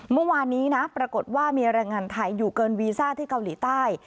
เมื่อวานนี้นะปรากฏว่ามีแรงงานไทยอยู่เกินวีซ่าที่เกาหลีใต้